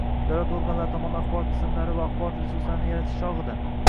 Davlat organlari tomonidan axborot tizimlarini va axborot resurslarini yaratish chog‘ida